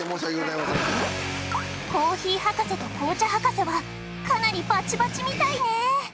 コーヒー博士と紅茶博士はかなりバチバチみたいね！